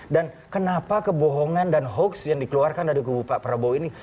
dan kenapa kebohongan dan hoax yang dikeluarkan dari kubu pak prabowo ini